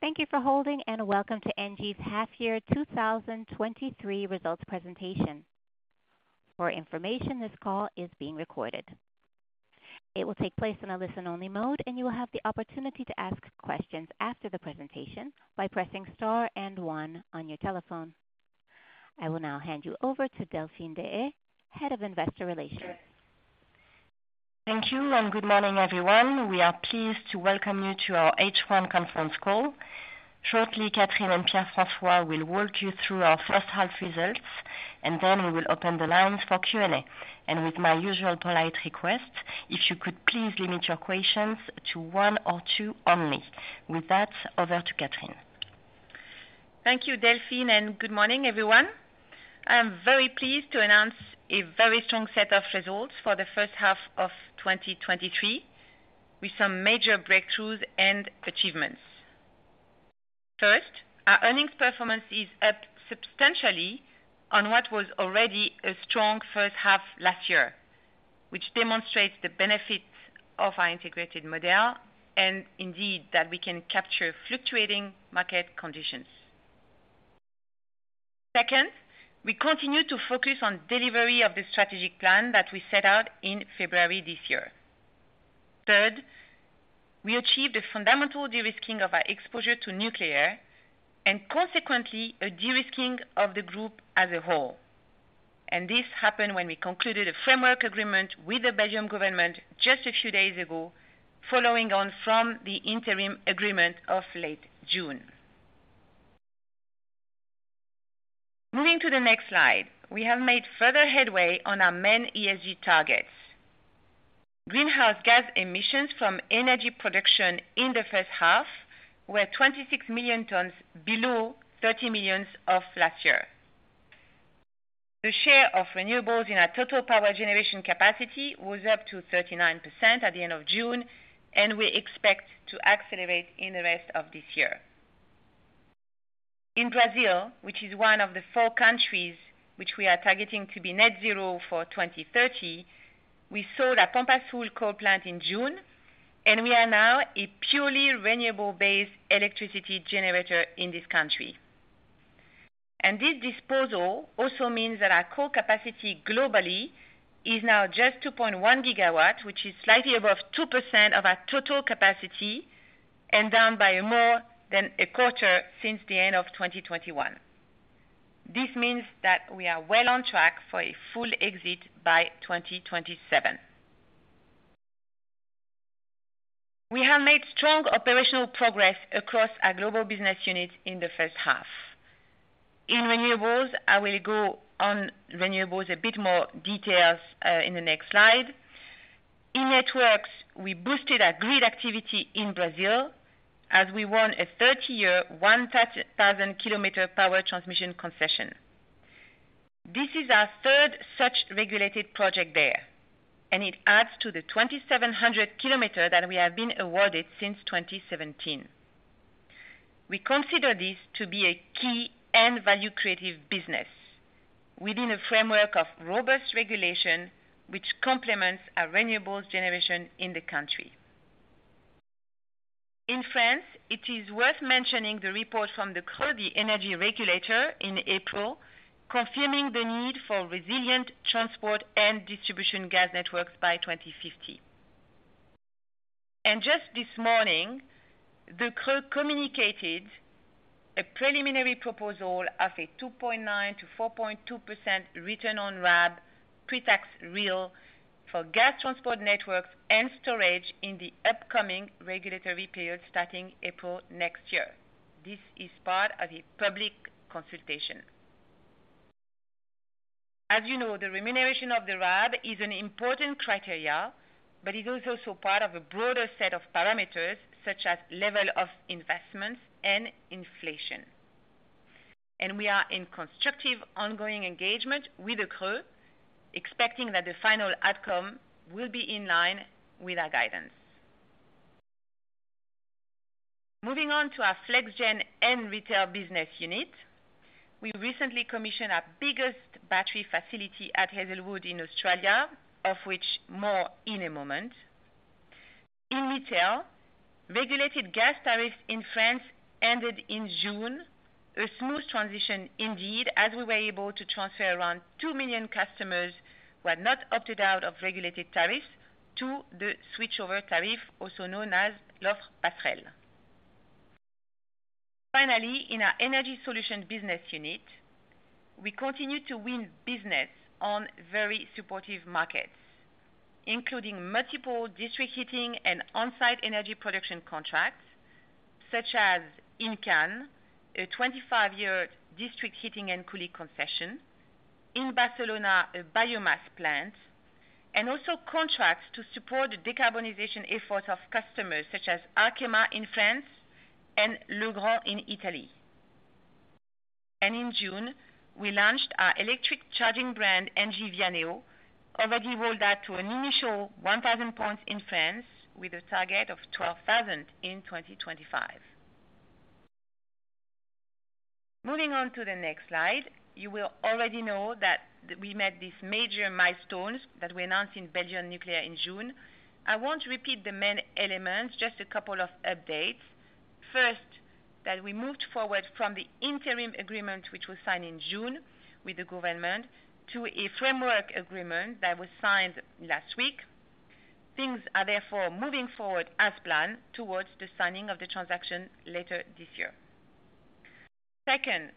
Thank you for holding. Welcome to ENGIE's half year 2023 results presentation. For information, this call is being recorded. It will take place in a listen-only mode, and you will have the opportunity to ask questions after the presentation by pressing star and one on your telephone. I will now hand you over to Delphine Deshayes, Head of Investor Relations. Thank you. Good morning, everyone. We are pleased to welcome you to our H1 conference call. Shortly, Catherine and Pierre-François will walk you through our first half results, and then we will open the lines for Q&A. With my usual polite request, if you could please limit your questions to one or two only. With that, over to Catherine. Thank you, Delphine, good morning, everyone. I am very pleased to announce a very strong set of results for the first half of 2023, with some major breakthroughs and achievements. First, our earnings performance is up substantially on what was already a strong first half last year, which demonstrates the benefits of our integrated model, indeed, that we can capture fluctuating market conditions. Second, we continue to focus on delivery of the strategic plan that we set out in February this year. Third, we achieved a fundamental de-risking of our exposure to nuclear, consequently, a de-risking of the group as a whole. This happened when we concluded a framework agreement with the Belgium government just a few days ago, following on from the interim agreement of late June. Moving to the next slide. We have made further headway on our main ESG targets. Greenhouse gas emissions from energy production in the first half were 26 million tons, below 30 million of last year. We expect to accelerate in the rest of this year. In Brazil, which is one of the four countries which we are targeting to be net zero for 2030, we sold our Pampas Sul coal plant in June. We are now a purely renewable-based electricity generator in this country. This disposal also means that our coal capacity globally is now just 2.1 GW, which is slightly above 2% of our total capacity, and down by more than a quarter since the end of 2021. This means that we are well on track for a full exit by 2027. We have made strong operational progress across our global business units in the first half. In renewables, I will go on renewables a bit more details in the next slide. In networks, we boosted our grid activity in Brazil, as we won a 30-year, 1,000 km power transmission concession. This is our third such regulated project there, and it adds to the 2,700 km that we have been awarded since 2017. We consider this to be a key and value-creative business within a framework of robust regulation, which complements our renewables generation in the country. In France, it is worth mentioning the report from the CRE, the energy regulator, in April, confirming the need for resilient transport and distribution gas networks by 2050. Just this morning, the CRE communicated a preliminary proposal of a 2.9%-4.2% return on RAB, pre-tax real, for gas transport networks and storage in the upcoming regulatory period starting April next year. This is part of a public consultation. As you know, the remuneration of the RAB is an important criteria, but it is also part of a broader set of parameters, such as level of investments and inflation. We are in constructive, ongoing engagement with the CRE, expecting that the final outcome will be in line with our guidance. Moving on to our Flex Gen and retail business unit. We recently commissioned our biggest battery facility at Hazelwood in Australia, of which more in a moment. In retail, regulated gas tariffs in France ended in June. A smooth transition indeed, as we were able to transfer around 2 million customers who had not opted out of regulated tariffs to the switchover tariff, also known as l'offre passerelle. Finally, in our energy solutions business unit, we continue to win business on very supportive markets, including multiple district heating and on-site energy production contracts, such as in Cannes, a 25-year district heating and cooling concession. In Barcelona, a biomass plant. Also contracts to support the decarbonization efforts of customers such as Arkema in France and Le Grand in Italy. In June, we launched our electric charging brand, ENGIE Vianeo. Already rolled out to an initial 1,000 points in France with a target of 12,000 in 2025. Moving on to the next slide. You will already know that we met these major milestones that we announced in Belgian nuclear in June. I won't repeat the main elements, just a couple of updates. First, that we moved forward from the interim agreement, which was signed in June with the government, to a framework agreement that was signed last week. Things are therefore moving forward as planned, towards the signing of the transaction later this year. Second,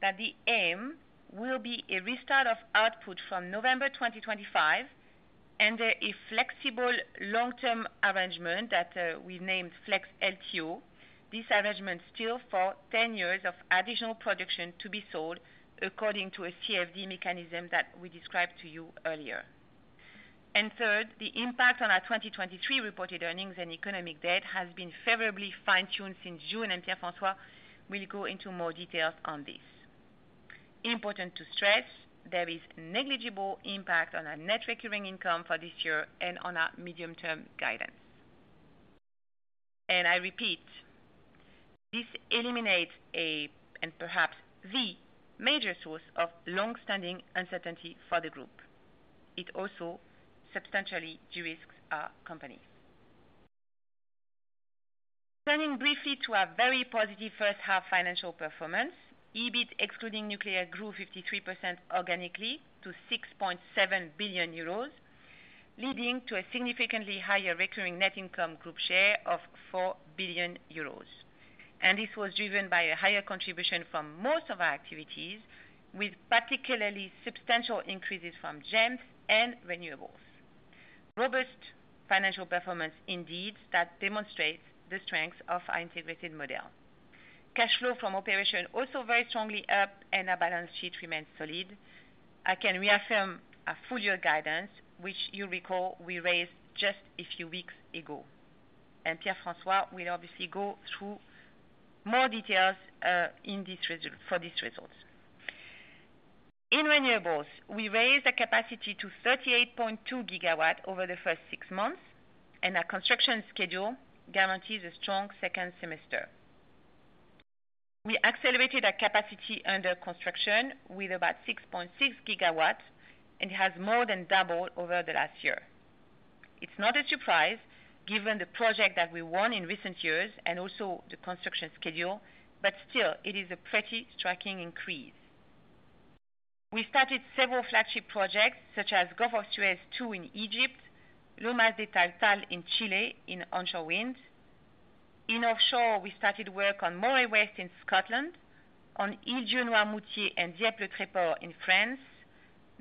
that the aim will be a restart of output from November 2025, and a flexible long-term arrangement that we named Flex LTO. This arrangement still for 10 years of additional production to be sold according to a CFD mechanism that we described to you earlier. Third, the impact on our 2023 reported earnings and economic debt has been favorably fine-tuned since June, and Pierre-François will go into more details on this. Important to stress, there is negligible impact on our net recurring income for this year and on our medium-term guidance. I repeat, this eliminates a, and perhaps the major source of long-standing uncertainty for the group. It also substantially de-risks our company. Turning briefly to our very positive first half financial performance, EBIT, excluding nuclear, grew 53% organically to 6.7 billion euros, leading to a significantly higher recurring net income group share of 4 billion euros. This was driven by a higher contribution from most of our activities, with particularly substantial increases from GEMS and renewables. Robust financial performance indeed, that demonstrates the strength of our integrated model. Cash flow from operation also very strongly up and our balance sheet remains solid. I can reaffirm our full year guidance, which you'll recall, we raised just a few weeks ago, and Pierre-François will obviously go through more details for these results. In renewables, we raised a capacity to 38.2 GW over the first six months. Our construction schedule guarantees a strong second semester. We accelerated our capacity under construction with about 6.6 GW and has more than doubled over the last year. It's not a surprise, given the project that we won in recent years, and also the construction schedule. Still it is a pretty striking increase. We started several flagship projects such as Gulf of Suez 2 in Egypt, Lomas de Taltal in Chile, in onshore winds. In offshore, we started work on Moray West in Scotland, on Île d'Yeu, Noirmoutier and Dieppe Le Tréport in France.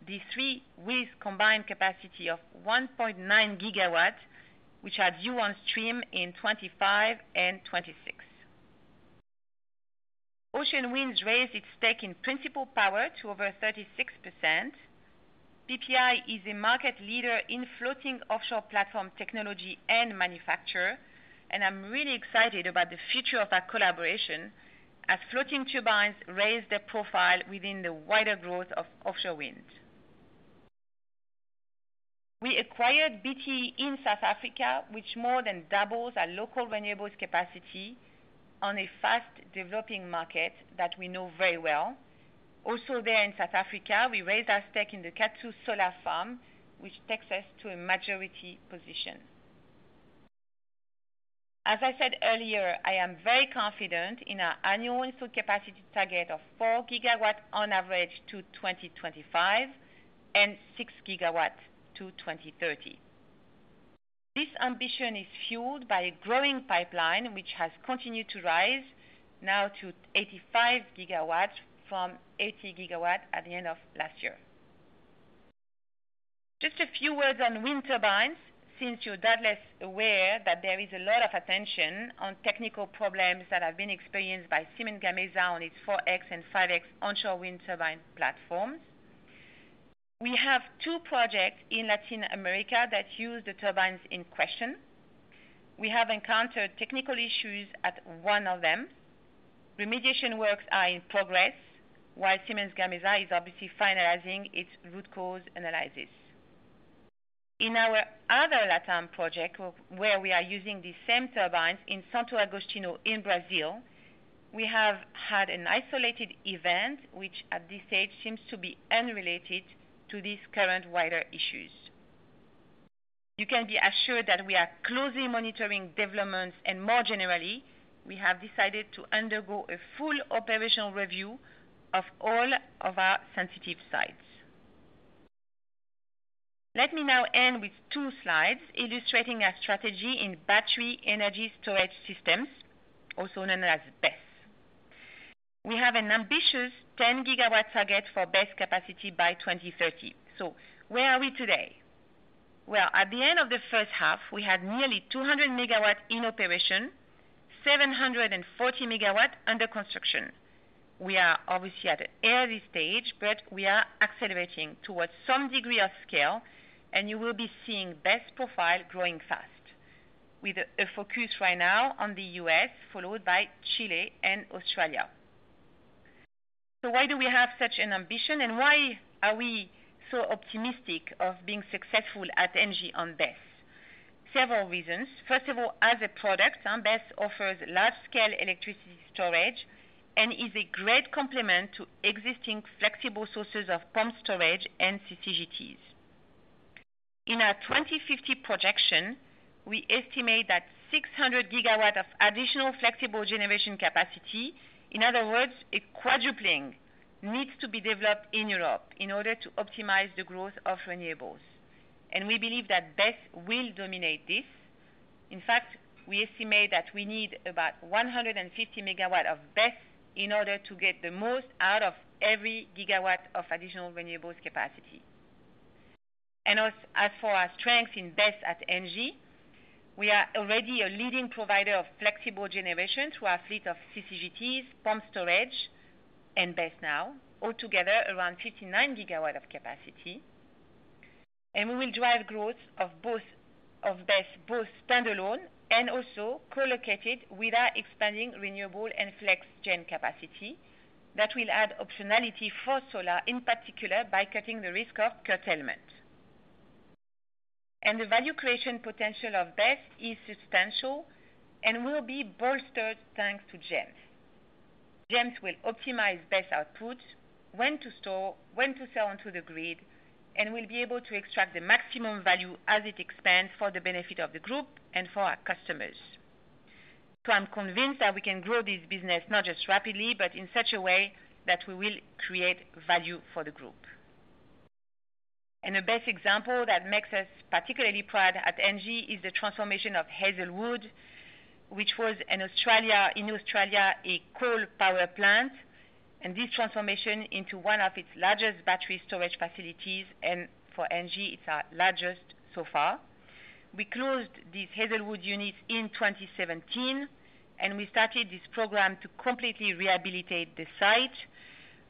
These three with combined capacity of 1.9 GW, which are due on stream in 2025 and 2026. Ocean Winds raised its stake in Principle Power to over 36%. PPI is a market leader in floating offshore platform technology and manufacture, and I'm really excited about the future of our collaboration as floating turbines raise their profile within the wider growth of offshore winds. We acquired BTE in South Africa, which more than doubles our local renewables capacity on a fast-developing market that we know very well. Also there in South Africa, we raised our stake in the Kathu Solar Farm, which takes us to a majority position. As I said earlier, I am very confident in our annual installed capacity target of 4 GW on average to 2025, and 6 GW to 2030. This ambition is fueled by a growing pipeline, which has continued to rise now to 85 GW from 80 GW at the end of last year. Just a few words on wind turbines, since you're doubtless aware that there is a lot of attention on technical problems that have been experienced by Siemens Gamesa on its 4.X and 5.X onshore wind turbine platforms. We have two projects in Latin America that use the turbines in question. We have encountered technical issues at one of them. Remediation works are in progress, while Siemens Gamesa is obviously finalizing its root cause analysis. In our other LatAm project, where we are using the same turbines in Santo Agostinho in Brazil, we have had an isolated event which at this stage seems to be unrelated to these current wider issues. You can be assured that we are closely monitoring developments, and more generally, we have decided to undergo a full operational review of all of our sensitive sites. Let me now end with two slides illustrating our strategy in battery energy storage systems, also known as BESS. We have an ambitious 10 GW target for BESS capacity by 2030. Where are we today? At the end of the first half, we had nearly 200 MW in operation, 740 MW under construction. We are obviously at an early stage, but we are accelerating towards some degree of scale, and you will be seeing BESS profile growing fast. A focus right now on the U.S., followed by Chile and Australia. Why do we have such an ambition, and why are we so optimistic of being successful at ENGIE on BESS? Several reasons. First of all, as a product, BESS offers large-scale electricity storage and is a great complement to existing flexible sources of pump storage and CCGTs. In our 2050 projection, we estimate that 600 GW of additional flexible generation capacity, in other words, a quadrupling, needs to be developed in Europe in order to optimize the growth of renewables. We believe that BESS will dominate this. In fact, we estimate that we need about 150 MW of BESS in order to get the most out of every gigawatt of additional renewables capacity. As for our strength in BESS at ENGIE, we are already a leading provider of flexible generation through our fleet of CCGTs, pump storage and BESS now, all together around 59 GW of capacity. We will drive growth of both, of BESS, both standalone and also co-located with our expanding renewable and Flex Gen capacity. That will add optionality for solar, in particular, by cutting the risk of curtailment. The value creation potential of BESS is substantial and will be bolstered thanks to GEMS. GEMS will optimize BESS output, when to store, when to sell onto the grid, and will be able to extract the maximum value as it expands for the benefit of the group and for our customers. I'm convinced that we can grow this business not just rapidly, but in such a way that we will create value for the group. A BESS example that makes us particularly proud at ENGIE is the transformation of Hazelwood, which was in Australia, a coal power plant. This transformation into one of its largest battery storage facilities, and for ENGIE, it's our largest so far. We closed these Hazelwood units in 2017. We started this program to completely rehabilitate the site.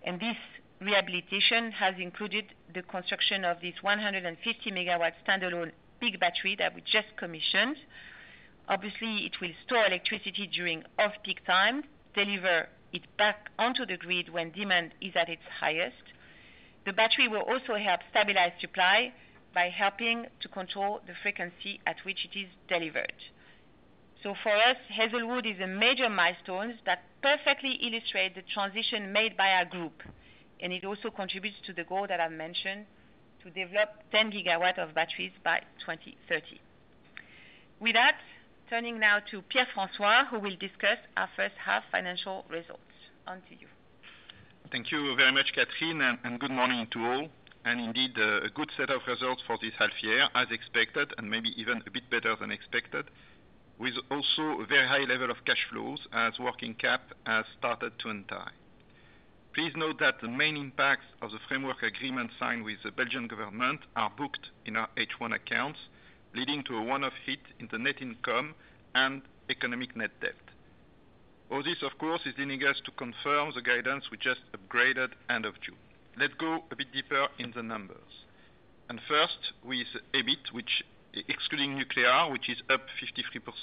This rehabilitation has included the construction of this 150 MW standalone big battery that we just commissioned. Obviously, it will store electricity during off-peak times, deliver it back onto the grid when demand is at its highest. The battery will also help stabilize supply by helping to control the frequency at which it is delivered. For us, Hazelwood is a major milestone that perfectly illustrate the transition made by our group. It also contributes to the goal that I mentioned, to develop 10 GW of batteries by 2030. With that, turning now to Pierre-François, who will discuss our first half financial results. On to you. Thank you very much, Catherine, and good morning to all. Indeed, a good set of results for this half year, as expected, and maybe even a bit better than expected, with also a very high level of cash flows as working cap has started to untie. Please note that the main impacts of the framework agreement signed with the Belgian government are booked in our H1 accounts, leading to a one-off hit in the net income and economic net debt. All this, of course, is leading us to confirm the guidance we just upgraded end of June. Let's go a bit deeper in the numbers. First, with EBIT, which, excluding nuclear, which is up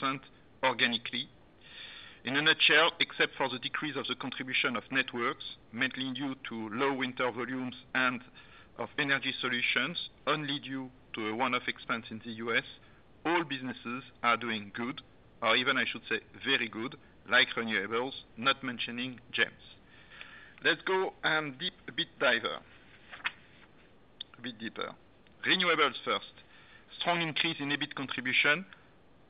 53% organically. In a nutshell, except for the decrease of the contribution of networks, mainly due to low winter volumes and of energy solutions, only due to a one-off expense in the US, all businesses are doing good, or even I should say, very good, like renewables, not mentioning GEMS. Let's go and deep a bit deeper. Renewables first. Strong increase in EBIT contribution,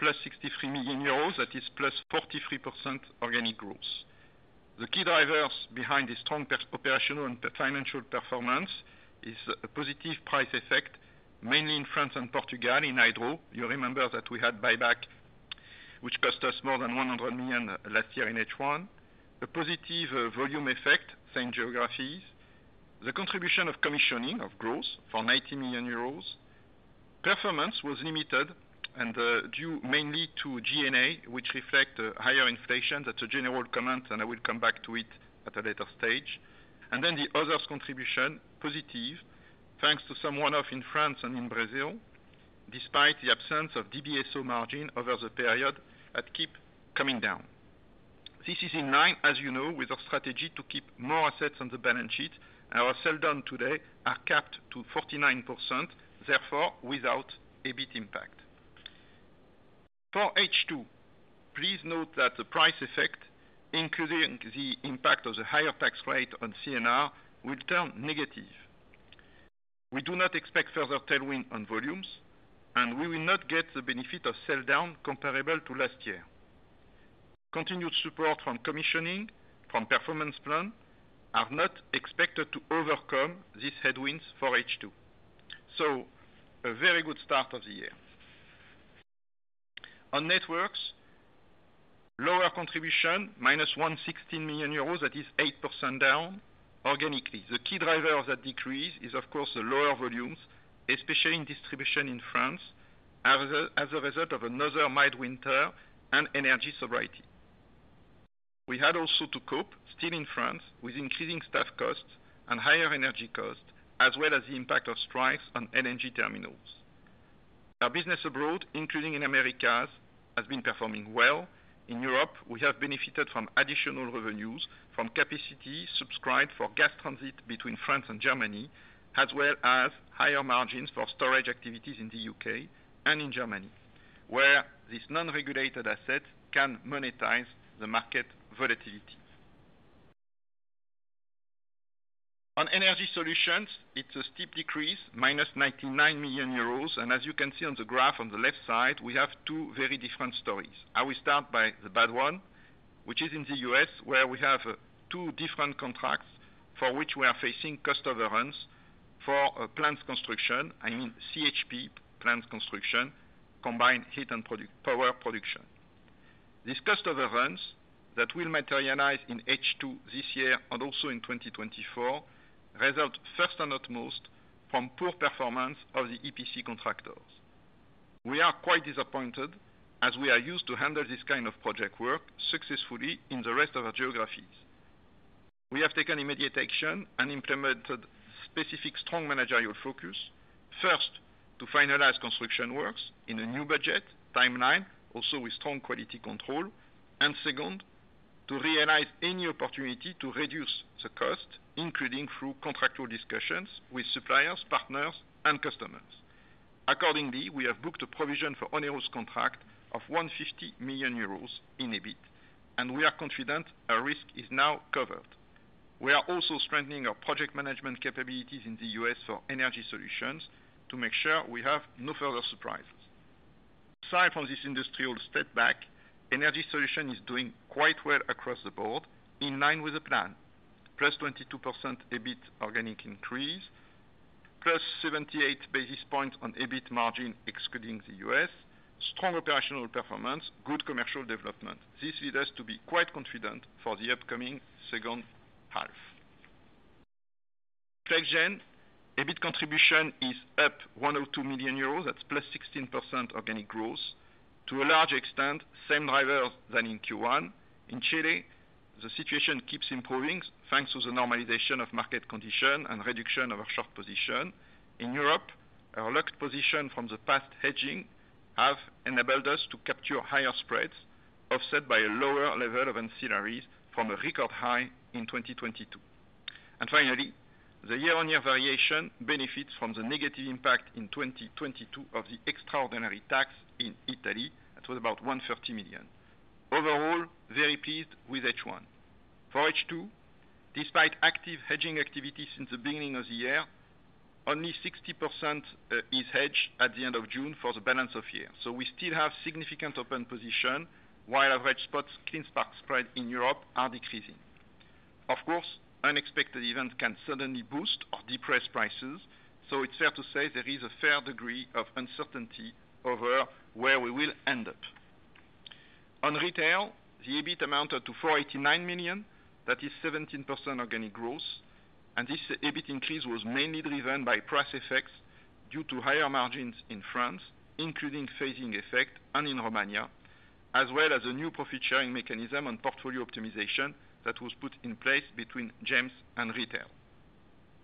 +63 million euros, that is +43% organic growth. The key drivers behind the strong operational and financial performance is a positive price effect, mainly in France and Portugal in Hydro. You remember that we had buyback, which cost us more than 100 million last year in H1. A positive volume effect, same geographies. The contribution of commissioning, of growth, for 90 million euros. Performance was limited and due mainly to G&A, which reflect a higher inflation. That's a general comment, I will come back to it at a later stage. Then the others contribution, positive, thanks to some one-off in France and in Brazil, despite the absence of DBSO margin over the period, that keep coming down. This is in line, as you know, with our strategy to keep more assets on the balance sheet, and our sell down today are capped to 49%, therefore, without EBIT impact. For H2, please note that the price effect, including the impact of the higher tax rate on CNR, will turn negative. We do not expect further tailwind on volumes, and we will not get the benefit of sell down comparable to last year. Continued support from commissioning, from performance plan, are not expected to overcome these headwinds for H2. A very good start of the year. On networks, lower contribution, -116 million euros, that is 8% down organically. The key driver of that decrease is, of course, the lower volumes, especially in distribution in France, as a result of another mild winter and energy sobriety. We had also to cope, still in France, with increasing staff costs and higher energy costs, as well as the impact of strikes on LNG terminals. Our business abroad, including in Americas, has been performing well. In Europe, we have benefited from additional revenues from capacity subscribed for gas transit between France and Germany, as well as higher margins for storage activities in the U.K. and in Germany, where this non-regulated asset can monetize the market volatility. On energy solutions, it's a steep decrease, -99 million euros. As you can see on the graph on the left side, we have two very different stories. I will start by the bad one, which is in the U.S., where we have two different contracts for which we are facing cost overruns for plants construction, I mean, CHP plants construction, combined heat and power production. This cost overruns that will materialize in H2 this year and also in 2024, result first and utmost from poor performance of the EPC contractors. We are quite disappointed, as we are used to handle this kind of project work successfully in the rest of our geographies. We have taken immediate action and implemented specific, strong managerial focus. First, to finalize construction works in a new budget, timeline, also with strong quality control. Second, to realize any opportunity to reduce the cost, including through contractual discussions with suppliers, partners, and customers. Accordingly, we have booked a provision for onerous contract of 150 million euros in EBIT, and we are confident our risk is now covered. We are also strengthening our project management capabilities in the U.S. for energy solutions to make sure we have no further surprises. Aside from this industrial step back, energy solution is doing quite well across the board, in line with the plan. +22% EBIT organic increase, +78 basis points on EBIT margin, excluding the U.S., strong operational performance, good commercial development. This lead us to be quite confident for the upcoming second half. Flex Gen, EBIT contribution is up 102 million euros, that's +16% organic growth. To a large extent, same drivers than in Q1. In Chile, the situation keeps improving, thanks to the normalization of market condition and reduction of our short position. In Europe, our locked position from the past hedging have enabled us to capture higher spreads, offset by a lower level of ancillaries from a record high in 2022. Finally, the year-on-year variation benefits from the negative impact in 2022 of the extraordinary tax in Italy. That was about 130 million. Overall, very pleased with H1. For H2, despite active hedging activity since the beginning of the year, only 60% is hedged at the end of June for the balance of year. We still have significant open position, while average spots, clean spark spread in Europe are decreasing. Of course, unexpected events can suddenly boost or depress prices, it's fair to say there is a fair degree of uncertainty over where we will end up. On retail, the EBIT amounted to 489 million, that is 17% organic growth. This EBIT increase was mainly driven by price effects due to higher margins in France, including phasing effect and in Romania, as well as a new profit-sharing mechanism on portfolio optimization that was put in place between GEMS and Retail.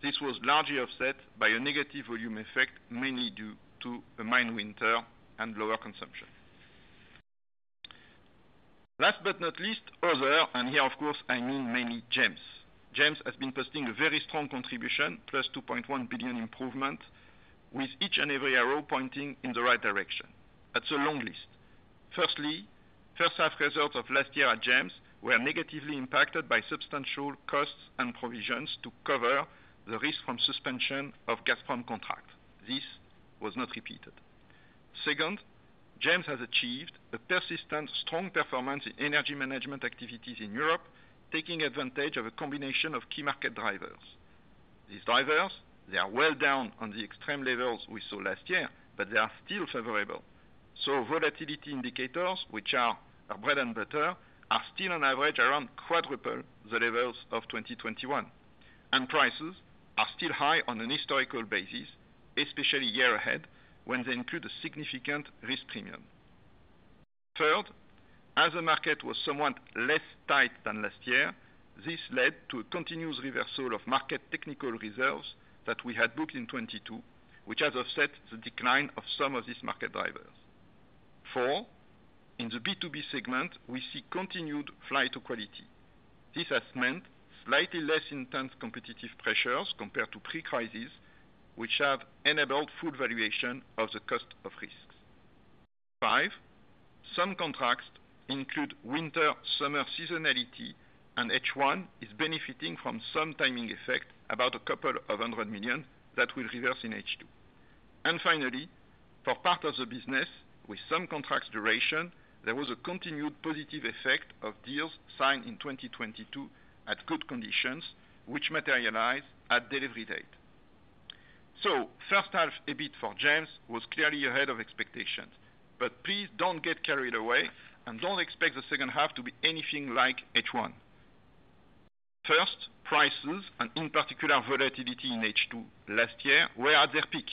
This was largely offset by a negative volume effect, mainly due to a mild winter and lower consumption. Last but not least, other, and here, of course, I mean mainly GEMS. GEMS has been posting a very strong contribution, +2.1 billion improvement, with each and every arrow pointing in the right direction. That's a long list. Firstly, first half results of last year at GEMS were negatively impacted by substantial costs and provisions to cover the risk from suspension of Gazprom contract. This was not repeated. Second, GEMS has achieved a persistent, strong performance in energy management activities in Europe, taking advantage of a combination of key market drivers. These drivers, they are well down on the extreme levels we saw last year, but they are still favorable. Volatility indicators, which are our bread and butter, are still on average, around quadruple the levels of 2021, and prices are still high on an historical basis, especially year ahead, when they include a significant risk premium. Third, as the market was somewhat less tight than last year, this led to a continuous reversal of market technical reserves that we had booked in 2022, which has offset the decline of some of these market drivers. Four, in the B2B segment, we see continued flight to quality. This has meant slightly less intense competitive pressures compared to pre-crisis, which have enabled full valuation of the cost of risks. Five, some contracts include winter, summer seasonality, and H1 is benefiting from some timing effect, about 200 million that will reverse in H2. Finally, for part of the business, with some contracts' duration, there was a continued positive effect of deals signed in 2022 at good conditions, which materialize at delivery date. First half, EBIT for GEMS was clearly ahead of expectations, but please don't get carried away and don't expect the second half to be anything like H1. Prices, and in particular, volatility in H2 last year, were at their peak,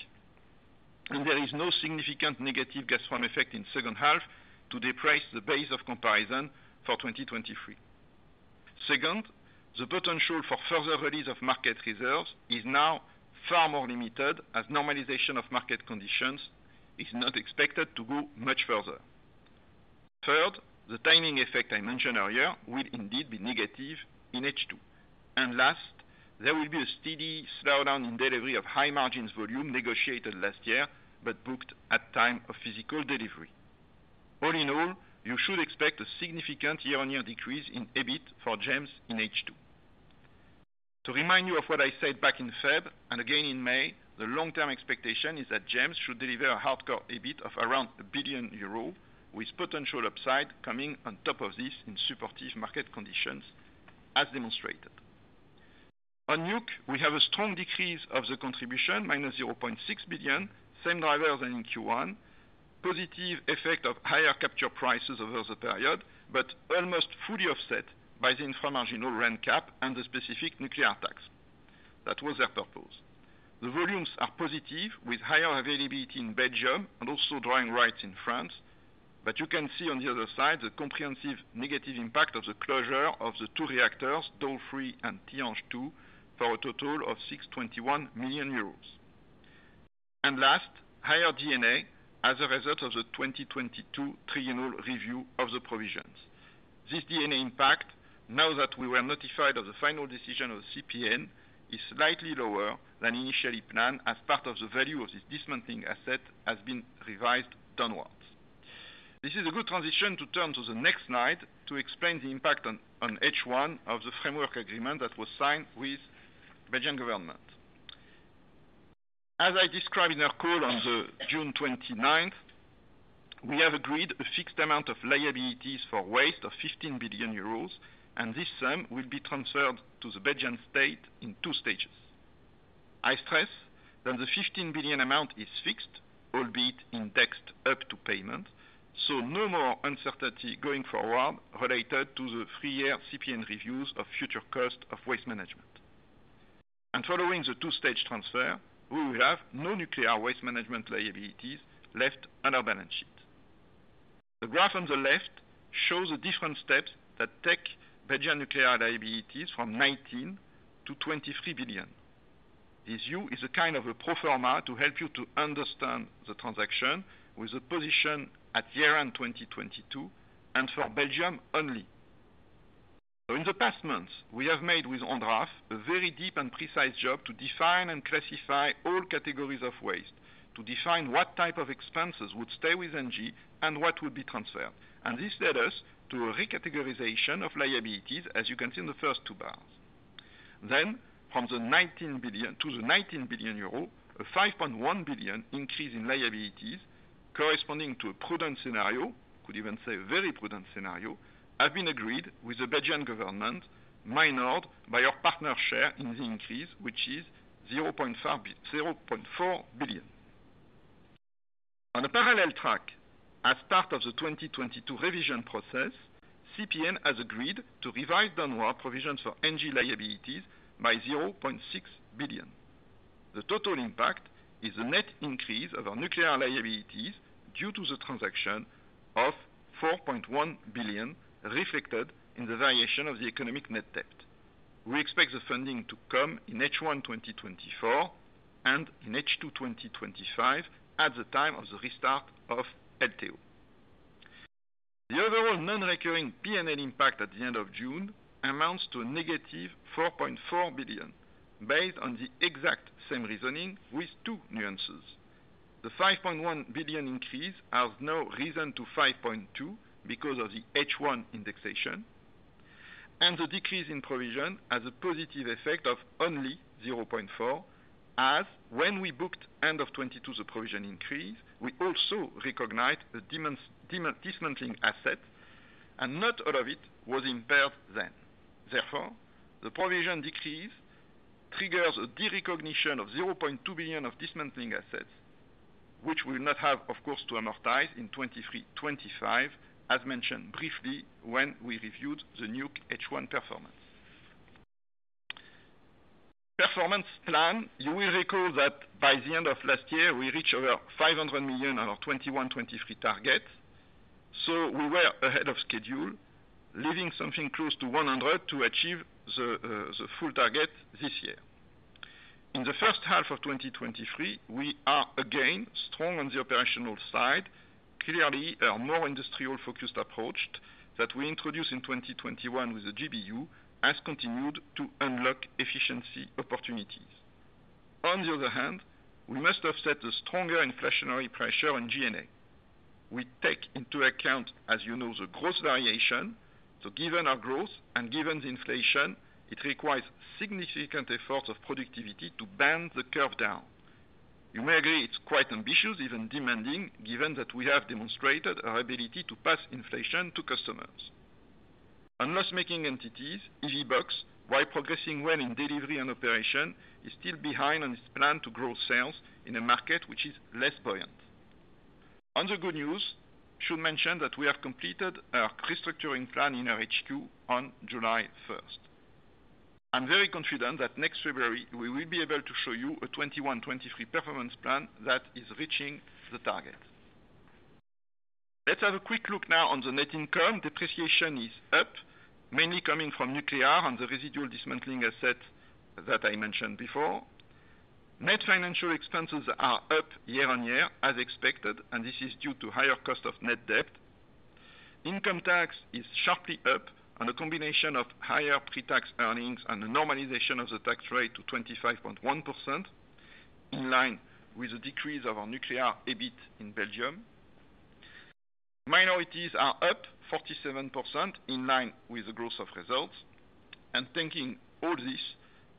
and there is no significant negative gas farm effect in second half to depress the base of comparison for 2023. Second, the potential for further release of market reserves is now far more limited, as normalization of market conditions is not expected to go much further. Third, the timing effect I mentioned earlier will indeed be negative in H2. Last, there will be a steady slowdown in delivery of high margins volume negotiated last year, but booked at time of physical delivery. All in all, you should expect a significant year-on-year decrease in EBIT for GEMS in H2. To remind you of what I said back in February, and again in May, the long-term expectation is that GEMS should deliver a hardcore EBIT of around 1 billion euro, with potential upside coming on top of this in supportive market conditions as demonstrated. On nuke, we have a strong decrease of the contribution, -0.6 billion, same drivers than in Q1. Positive effect of higher capture prices over the period, almost fully offset by the inframarginal rent cap and the specific nuclear tax. That was their purpose. The volumes are positive, with higher availability in Belgium and also drawing rights in France. You can see on the other side, the comprehensive negative impact of the closure of the two reactors, Doel 3 and Tihange 2, for a total of 621 million euros. Last, higher D&A as a result of the 2022 triennial review of the provisions. This D&A impact, now that we were notified of the final decision of the CPN, is slightly lower than initially planned, as part of the value of this dismantling asset has been revised downwards. This is a good transition to turn to the next slide, to explain the impact on H1 of the framework agreement that was signed with Belgian government. As I described in our call on the June 29th, we have agreed a fixed amount of liabilities for waste of 15 billion euros, this sum will be transferred to the Belgian State in two stages. I stress that the 15 billion amount is fixed, albeit indexed up to payment, so no more uncertainty going forward related to the three-year CPN reviews of future cost of waste management. Following the two-stage transfer, we will have no nuclear waste management liabilities left on our balance sheet. The graph on the left shows the different steps that take Belgian nuclear liabilities from 19 billion-23 billion. This view is a kind of a pro forma to help you to understand the transaction with a position at year-end 2022, for Belgium only. In the past months, we have made with ONDRAF, a very deep and precise job to define and classify all categories of waste, to define what type of expenses would stay with ENGIE and what would be transferred. This led us to a recategorization of liabilities, as you can see in the first two bars. From the 19 billion to the 19 billion euro, a 5.1 billion increase in liabilities corresponding to a prudent scenario, could even say a very prudent scenario, have been agreed with the Belgian government, minored by our partner share in the increase, which is EUR 0.5 billion, 0.4 billion. On a parallel track, as part of the 2022 revision process, CPN has agreed to revise downward provisions for ENGIE liabilities by 0.6 billion. The total impact is a net increase of our nuclear liabilities due to the transaction of 4.1 billion, reflected in the variation of the economic net debt. We expect the funding to come in H1 2024 and in H2 2025, at the time of the restart of LTO. The overall non-recurring P&L impact at the end of June amounts to a -4.4 billion, based on the exact same reasoning with two nuances. The 5.1 billion increase has now risen to 5.2 billion, because of the H1 indexation. The decrease in provision has a positive effect of only 0.4 billion, as when we booked end of 2022 the provision increase, we also recognized the dismantling asset, and not all of it was impaired then. The provision decrease triggers a derecognition of 0.2 billion of dismantling assets, which we will not have, of course, to amortize in 2023-2025, as mentioned briefly when we reviewed the nuke H1 performance. Performance plan, you will recall that by the end of last year, we reached over 500 million on our 2021-2023 target. We were ahead of schedule, leaving something close to 100 to achieve the full target this year. In the first half of 2023, we are again strong on the operational side. Clearly, our more industrial-focused approach that we introduced in 2021 with the GBU has continued to unlock efficiency opportunities. On the other hand, we must offset the stronger inflationary pressure on G&A. We take into account, as you know, the growth variation. Given our growth and given the inflation, it requires significant efforts of productivity to bend the curve down. You may agree it's quite ambitious, even demanding, given that we have demonstrated our ability to pass inflation to customers. On loss-making entities, EVBox, while progressing well in delivery and operation, is still behind on its plan to grow sales in a market which is less buoyant. On the good news, should mention that we have completed our restructuring plan in our H2 on July 1st. I'm very confident that next February, we will be able to show you a 2021-2023 performance plan that is reaching the target. Let's have a quick look now on the net income. Depreciation is up, mainly coming from nuclear on the residual dismantling asset that I mentioned before. Net financial expenses are up year-over-year, as expected, this is due to higher cost of net debt. Income tax is sharply up on a combination of higher pre-tax earnings and a normalization of the tax rate to 25.1%, in line with the decrease of our nuclear EBIT in Belgium. Minorities are up 47% in line with the growth of results. Taking all this,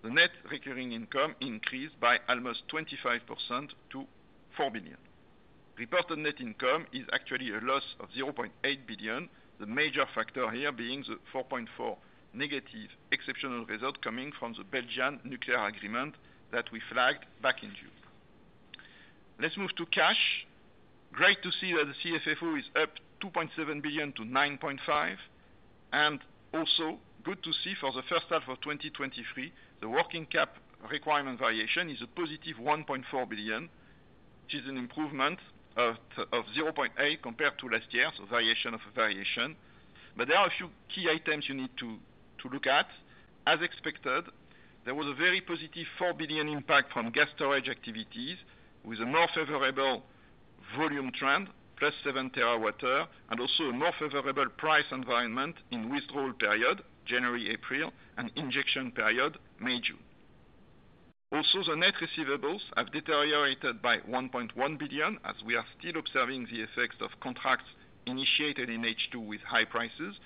the net recurring income increased by almost 25% to 4 billion. Reported net income is actually a loss of 0.8 billion. The major factor here being the 4.4 billion negative exceptional result coming from the Belgian nuclear agreement that we flagged back in June. Let's move to cash. Great to see that the CFFO is up 2.7 billion-9.5 billion, good to see for the first half of 2023, the working cap requirement variation is a positive 1.4 billion, which is an improvement of 0.8 compared to last year, variation of a variation. There are a few key items you need to look at. As expected, there was a very positive 4 billion impact from gas storage activities, with a more favorable volume trend, +7 TW hour, a more favorable price environment in withdrawal period, January, April, and injection period, May, June. The net receivables have deteriorated by 1.1 billion, as we are still observing the effects of contracts initiated in H2 with high prices.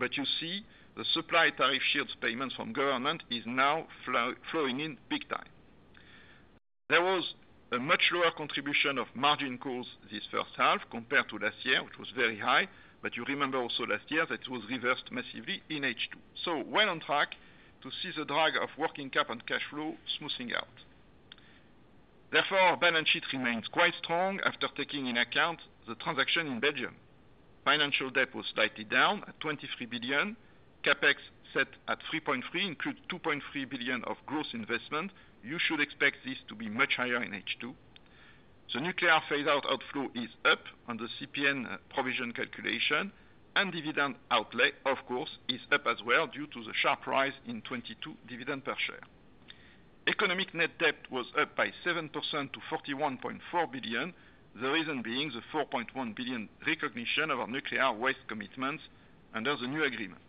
You see the supply tariff shields payments from government is now flowing in big time. There was a much lower contribution of margin calls this first half compared to last year, which was very high, but you remember also last year that it was reversed massively in H2. Well on track to see the drag of working cap and cash flow smoothing out. Therefore, our balance sheet remains quite strong after taking in account the transaction in Belgium. Financial debt was slightly down at 23 billion. CapEx set at 3.3 billion, include 2.3 billion of gross investment. You should expect this to be much higher in H2. The nuclear phase out outflow is up on the CPN provision calculation, and dividend outlay, of course, is up as well due to the sharp rise in 2022 dividend per share. Economic net debt was up by 7% to 41.4 billion. The reason being the 4.1 billion recognition of our nuclear waste commitments under the new agreement.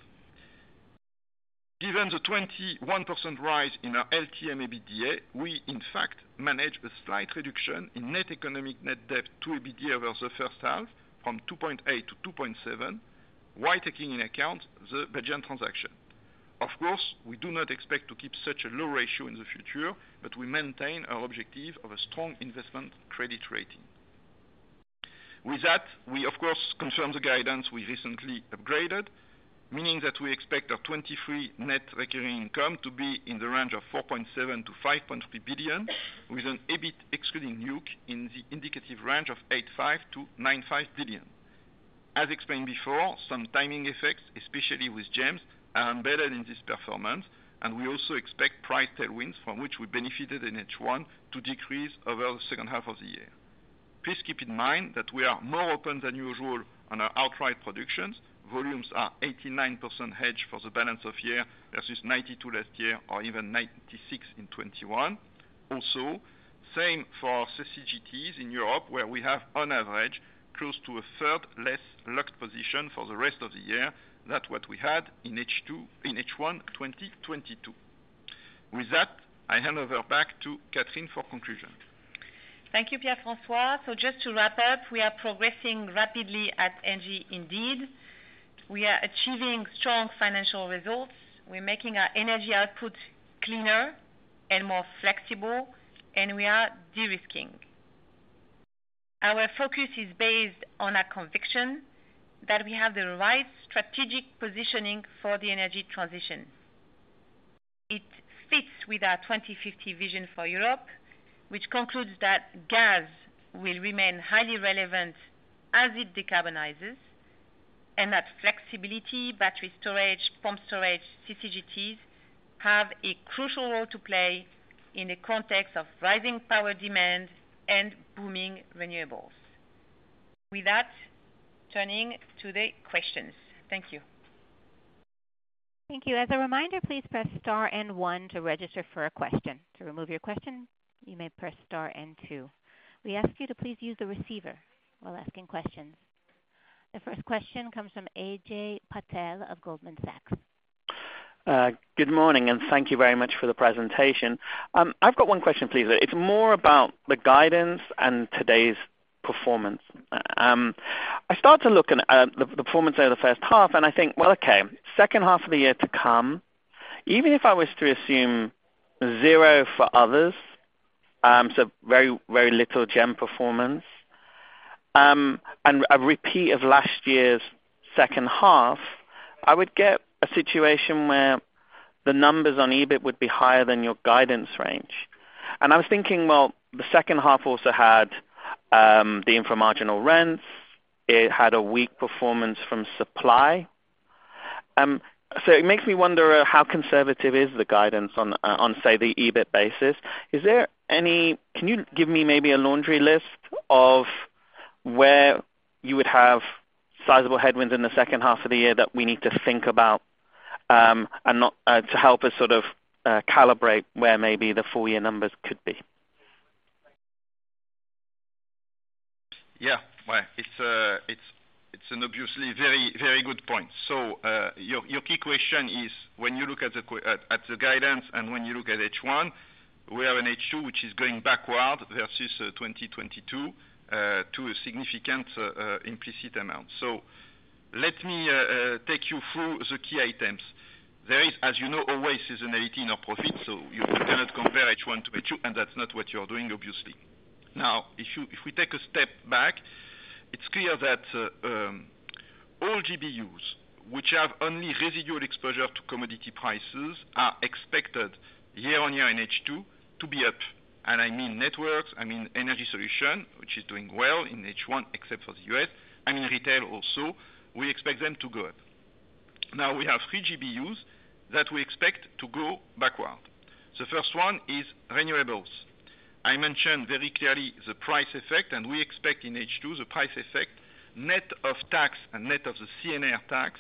Given the 21% rise in our LTM EBITDA, we in fact manage a slight reduction in net economic net debt to EBITDA over the first half, from 2.8 to 2.7, while taking in account the Belgian transaction. Of course, we do not expect to keep such a low ratio in the future, but we maintain our objective of a strong investment credit rating. With that, we of course, confirm the guidance we recently upgraded, meaning that we expect our 2023 net recurring income to be in the range of 4.7 billion-5.3 billion, with an EBIT excluding nuke in the indicative range of 8.5 billion-9.5 billion. As explained before, some timing effects, especially with GEMS, are embedded in this performance, and we also expect price tailwinds from which we benefited in H1 to decrease over the second half of the year. Please keep in mind that we are more open than usual on our outright productions. Volumes are 89% hedged for the balance of year versus 92% last year or even 96% in 2021. Also, same for our CCGTs in Europe, where we have on average, close to a third less locked position for the rest of the year than what we had in H2-- in H1 2022. With that, I hand over back to Catherine for conclusion. Thank you, Pierre-François. Just to wrap up, we are progressing rapidly at ENGIE indeed. We are achieving strong financial results, we're making our energy output cleaner and more flexible, and we are de-risking. Our focus is based on a conviction that we have the right strategic positioning for the energy transition. It fits with our 2050 vision for Europe, which concludes that gas will remain highly relevant as it decarbonizes, and that flexibility, battery storage, pump storage, CCGTs, have a crucial role to play in the context of rising power demand and booming renewables. With that, turning to the questions. Thank you. Thank you. As a reminder, please press star and one to register for a question. To remove your question, you may press star and two. We ask you to please use the receiver while asking questions. The first question comes from Ajay Patel of Goldman Sachs. Good morning, thank you very much for the presentation. I've got one question, please. It's more about the guidance and today's performance. I start to look at the performance over the first half, and I think, Well, okay, second half of the year to come, even if I was to assume zero for others, so very, very little GEMS performance, and a repeat of last year's second half, I would get a situation where the numbers on EBIT would be higher than your guidance range. I was thinking, well, the second half also had the inframarginal rents. It had a weak performance from supply. It makes me wonder, how conservative is the guidance on, say, the EBIT basis? Can you give me maybe a laundry list of where you would have sizable headwinds in the second half of the year that we need to think about, and not, to help us sort of, calibrate where maybe the full year numbers could be? Well, it's an obviously very, very good point. Your key question is when you look at the guidance and when you look at H1, we are in H2, which is going backward versus 2022 to a significant implicit amount. Let me take you through the key items. There is, as you know, always seasonality in our profit, so you cannot compare H1 to H2, and that's not what you are doing, obviously. Now, if we take a step back, it's clear that all GBUs, which have only residual exposure to commodity prices, are expected year-on-year and H2 to be up. I mean networks, I mean energy solution, which is doing well in H1, except for the U.S., and in retail also, we expect them to go up. Now, we have three GBUs that we expect to go backward. The first one is renewables. I mentioned very clearly the price effect, and we expect in H2, the price effect, net of tax and net of the CNR tax,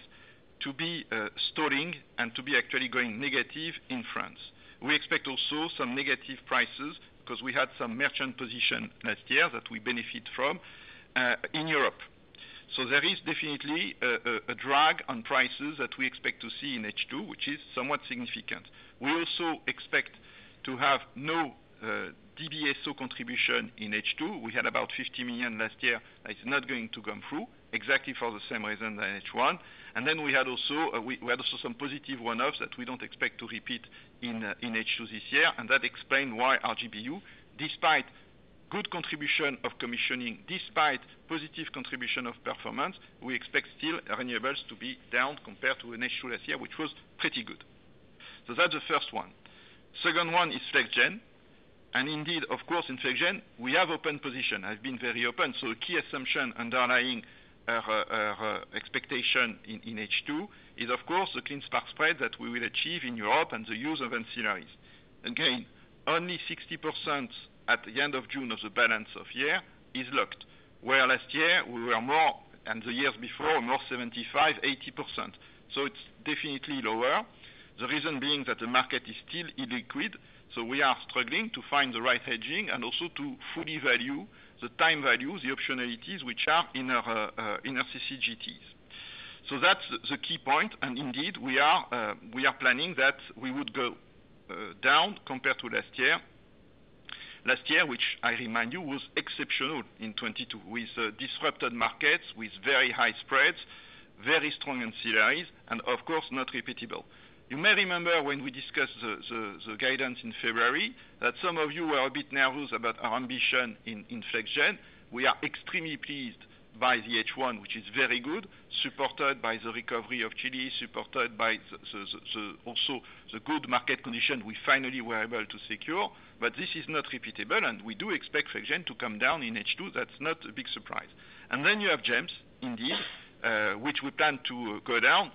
to be stalling and to be actually going negative in France. We expect also some negative prices because we had some merchant position last year that we benefit from in Europe. There is definitely a, a, a drag on prices that we expect to see in H2, which is somewhat significant. We also expect to have no DBSO contribution in H2. We had about 50 million last year. It's not going to come through exactly for the same reason than H1. We had also, we, we had also some positive one-offs that we don't expect to repeat in H2 this year, and that explains why our GBU, despite good contribution of commissioning, despite positive contribution of performance, we expect still renewables to be down compared to an H2 last year, which was pretty good. That's the first one. Second one is Flex Gen. Indeed, of course, in Flex Gen, we have open position. I've been very open, so a key assumption underlying our, our, expectation in H2 is, of course, the clean spark spread that we will achieve in Europe and the use of ancillaries. Again, only 60% at the end of June of the balance of year is locked, where last year we were more, and the years before, more 75%-80%. It's definitely lower. The reason being that the market is still illiquid, so we are struggling to find the right hedging and also to fully value the time value, the optionalities which are in our, in our CCGTs. That's the key point, and indeed, we are, we are planning that we would go down compared to last year. Last year, which I remind you, was exceptional in 2022, with disrupted markets, with very high spreads, very strong ancillaries, and of course, not repeatable. You may remember when we discussed the, the, the guidance in February, that some of you were a bit nervous about our ambition in, in Flex Gen. We are extremely pleased by the H1, which is very good, supported by the recovery of Chile, supported by the, the, the, also the good market conditions we finally were able to secure. This is not repeatable, and we do expect Flex Gen to come down in H2. That's not a big surprise. Then you have GEMS, indeed, which we plan to go down,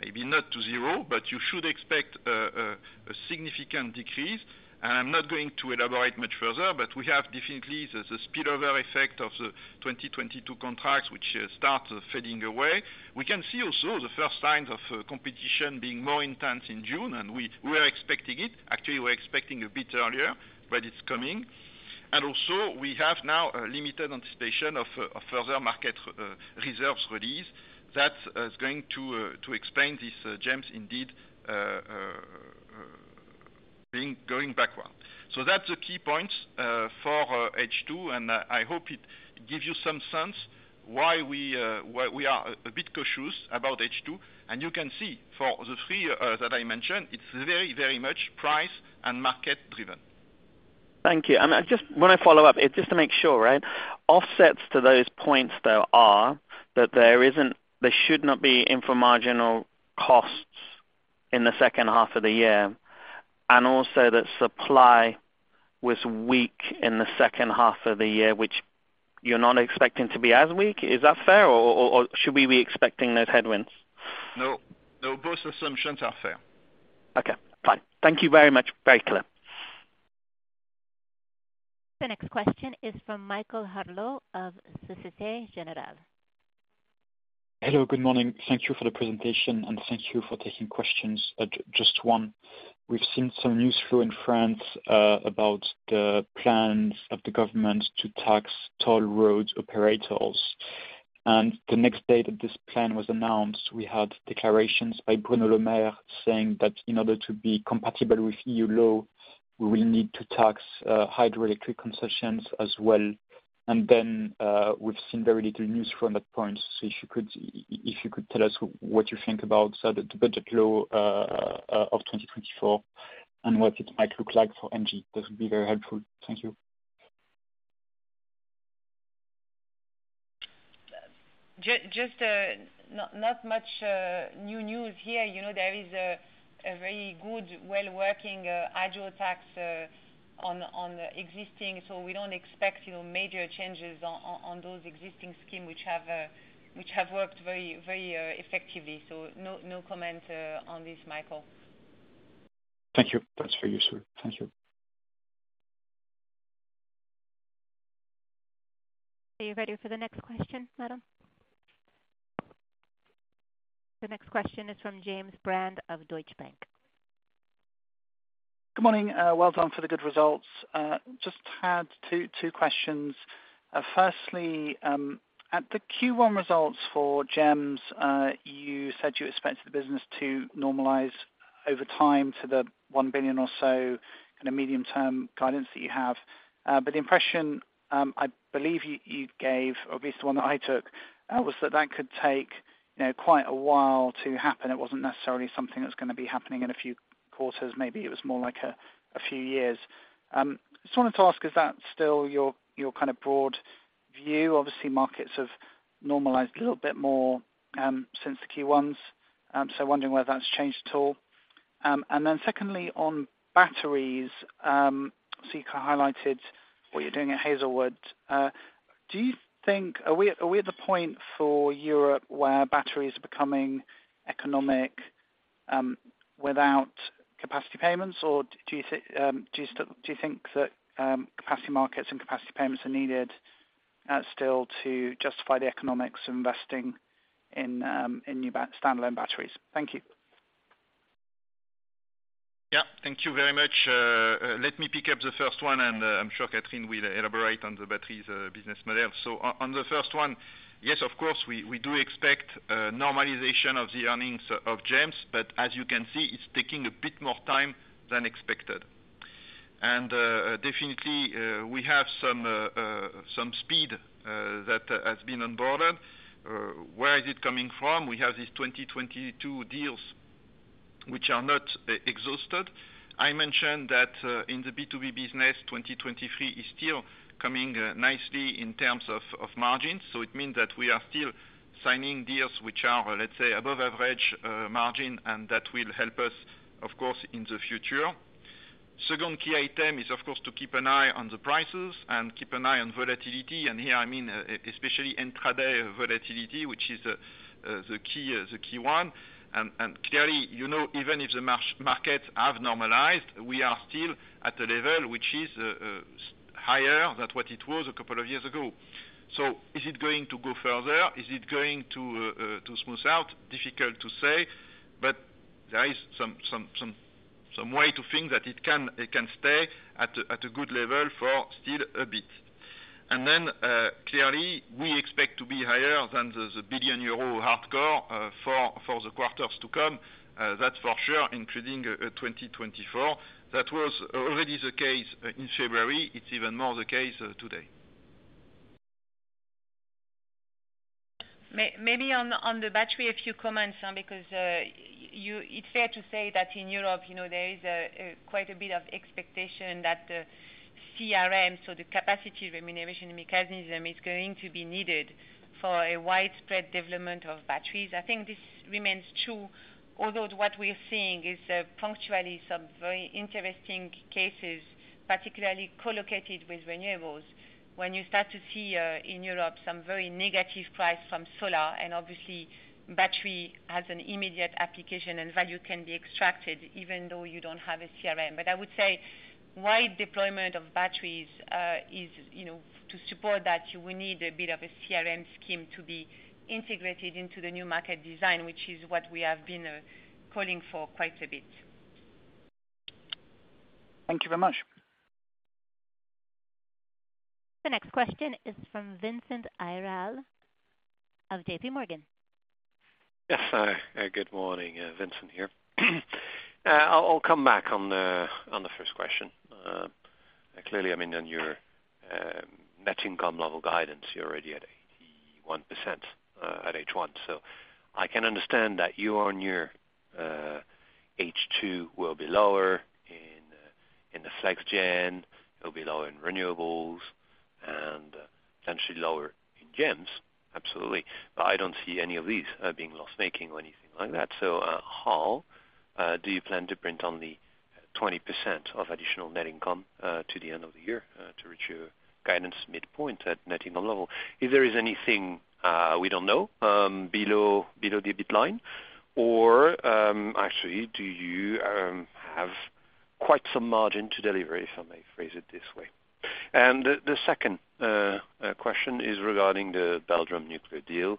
maybe not to zero, but you should expect a significant decrease. I'm not going to elaborate much further, but we have definitely the, the spillover effect of the 2022 contracts, which start fading away. We can see also the first signs of competition being more intense in June, and we, we are expecting it. Actually, we're expecting a bit earlier, but it's coming. Also, we have now a limited anticipation of further market reserves release. That is going to explain this GEMS indeed, being, going backward. That's the key points, for H2, and I hope it gives you some sense why we, why we are a bit cautious about H2. You can see for the three, that I mentioned, it's very, very much price and market driven. Thank you. I just want to follow up, just to make sure, right? Offsets to those points, though, are that there should not be info marginal costs in the second half of the year, and also that supply was weak in the second half of the year, which you're not expecting to be as weak. Is that fair, or should we be expecting those headwinds? No. No, both assumptions are fair. Okay, fine. Thank you very much. Very clear. The next question is from Michael Harleaux of Société Générale Hello, good morning. Thank you for the presentation, thank you for taking questions. Just one. We've seen some news flow in France about the plans of the government to tax toll roads operators. The next day that this plan was announced, we had declarations by Bruno Le Maire saying that in order to be compatible with EU law, we will need to tax hydroelectric concessions as well. Then, we've seen very little news from that point. If you could, if you could tell us what you think about the budget law of 2024 and what it might look like for ENGIE, that would be very helpful. Thank you. Just not, not much new news here. You know, there is a, a very good, well-working hydro tax. on, on, on the existing, so we don't expect, you know, major changes on, on, on those existing scheme which have, which have worked very, very, effectively. No, no comment on this, Michael. Thank you. That's very useful. Thank you. Are you ready for the next question, madam? The next question is from James Brand of Deutsche Bank. Good morning. Well done for the good results. Just had two, two questions. Firstly, at the Q1 results for GEMS, you said you expected the business to normalize over time to the 1 billion or so in a medium-term guidance that you have. The impression, I believe you, you gave, or at least the one that I took, was that that could take, you know, quite a while to happen. It wasn't necessarily something that's gonna be happening in a few quarters. Maybe it was more like a few years. Just wanted to ask, is that still your kind of broad view? Obviously, markets have normalized a little bit more, since the Q1s. Wondering whether that's changed at all. Secondly, on batteries, you kind of highlighted what you're doing at Hazelwood. Do you think, are we at the point for Europe where batteries are becoming economic without capacity payments? Do you think that capacity markets and capacity payments are needed still to justify the economics of investing in new standalone batteries? Thank you. Yeah, thank you very much. Let me pick up the first one. I'm sure Catherine will elaborate on the batteries business model. On the first one, yes, of course, we do expect normalization of the earnings of GEMS, but as you can see, it's taking a bit more time than expected. Definitely, we have some speed that has been unboarded. Where is it coming from? We have these 2022 deals which are not e-exhausted. I mentioned that in the B2B business, 2023 is still coming nicely in terms of margins. It means that we are still signing deals which are, let's say, above average margin, that will help us, of course, in the future. Second key item is, of course, to keep an eye on the prices and keep an eye on volatility. Here, I mean, especially intraday volatility, which is the key, the key one. Clearly, you know, even if the markets have normalized, we are still at a level which is higher than what it was couple of years ago. Is it going to go further? Is it going to smooth out? Difficult to say, but there is some, some, some, some way to think that it can, it can stay at a, at a good level for still a bit. Clearly, we expect to be higher than the 1 billion euro hardcore for the quarters to come. That's for sure, including 2024. That was already the case, in February. It's even more the case, today. Maybe on, on the battery, a few comments, because, It's fair to say that in Europe, you know, there is a quite a bit of expectation that the CRM, so the capacity remuneration mechanism, is going to be needed for a widespread development of batteries. I think this remains true, although what we're seeing is punctually some very interesting cases, particularly co-located with renewables. When you start to see, in Europe, some very negative price from solar, and obviously, battery has an immediate application, and value can be extracted even though you don't have a CRM. I would say wide deployment of batteries, is, you know, to support that, we need a bit of a CRM scheme to be integrated into the new market design, which is what we have been calling for quite a bit. Thank you very much. The next question is from Vincent Ayral of JPMorgan. Yes, good morning, Vincent here. I'll, I'll come back on the, on the first question. Clearly, I mean, on your net income level guidance, you're already at 81%, at H1. I can understand that you are near, H2 will be lower in, in the Flex Gen, it'll be lower in renewables, and potentially lower in GEMS. Absolutely. I don't see any of these, being loss-making or anything like that. How do you plan to print on the 20% of additional net income, to the end of the year, to reach your guidance midpoint at net income level? If there is anything, we don't know, below, below the bid line, or, actually, do you have quite some margin to deliver, if I may phrase it this way? The, the second question is regarding the Belgium nuclear deal.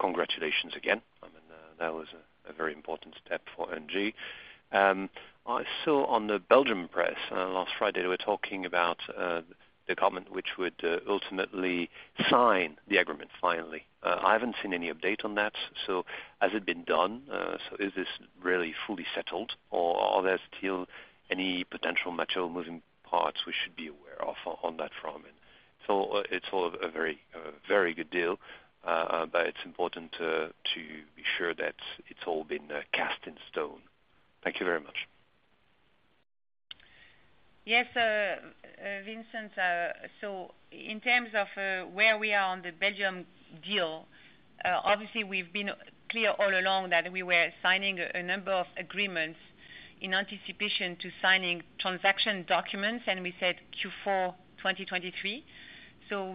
Congratulations again. I mean, that was a very important step for ENGIE. I saw on the Belgium press last Friday, they were talking about the government, which would ultimately sign the agreement finally. I haven't seen any update on that, so has it been done? So is this really fully settled, or are there still any potential material moving parts we should be aware of on that front? It's all a very, very good deal, but it's important to be sure that it's all been cast in stone. Thank you very much. Yes, Vincent. So in terms of where we are on the Belgium deal, obviously, we've been clear all along that we were signing a number of agreements.... in anticipation to signing transaction documents, and we said Q4 2023.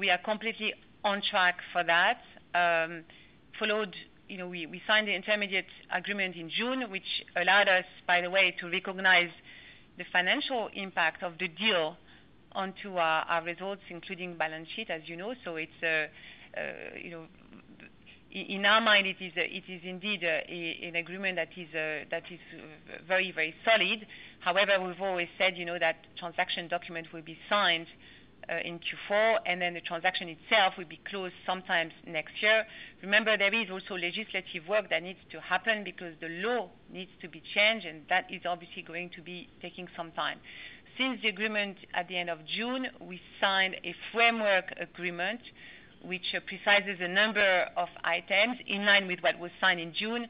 We are completely on track for that. Followed, you know, we, we signed the intermediate agreement in June, which allowed us, by the way, to recognize the financial impact of the deal onto our, our results, including balance sheet, as you know. It's, you know, in our mind, it is, it is indeed, an agreement that is very, very solid. However, we've always said, you know, that transaction document will be signed in Q4, and then the transaction itself will be closed sometime next year. Remember, there is also legislative work that needs to happen because the law needs to be changed, and that is obviously going to be taking some time. Since the agreement at the end of June, we signed a framework agreement which precises a number of items in line with what was signed in June,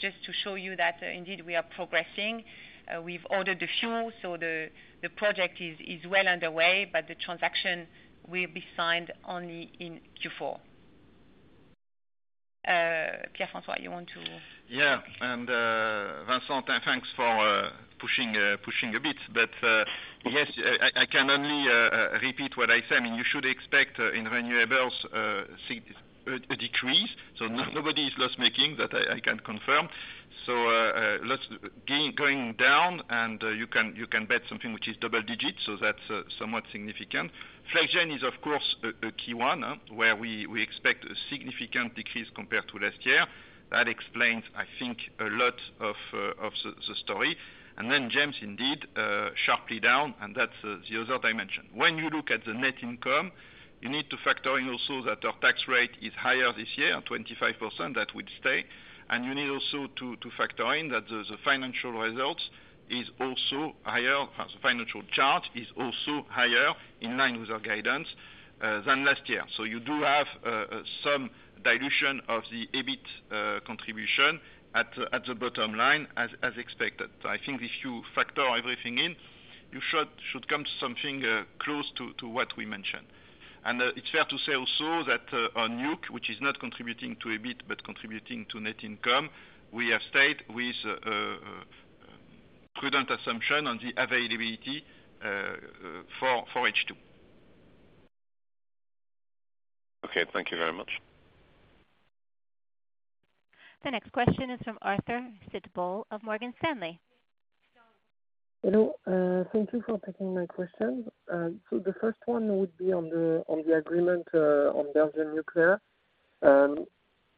just to show you that indeed we are progressing. We've ordered the fuel, so the, the project is, is well underway, but the transaction will be signed only in Q4. Pierre-François, you want to? Yeah, Vincent, thanks for pushing, pushing a bit. Yes, I, I can only repeat what I said. I mean, you should expect in renewables, see, a decrease, so no-nobody is loss making, that I, I can confirm. Let's gain-- going down, and you can, you can bet something which is double digits, so that's somewhat significant. Flex Gen is, of course, a key one, huh, where we, we expect a significant decrease compared to last year. That explains, I think, a lot of the, the story. GEMS, indeed, sharply down, and that's the other dimension. When you look at the net income, you need to factor in also that our tax rate is higher this year, 25%, that would stay. You need also to, to factor in that the, the financial results is also higher, as the financial chart is also higher, in line with our guidance than last year. You do have some dilution of the EBIT contribution at, at the bottom line, as, as expected. I think if you factor everything in, you should, should come to something close to, to what we mentioned. It's fair to say also that on nuke, which is not contributing to EBIT, but contributing to net income, we have stayed with prudent assumption on the availability for H2. Okay, thank you very much. The next question is from Arthur Sitbon of Morgan Stanley. Hello, thank you for taking my question. The first one would be on the, on the agreement on Belgian nuclear. From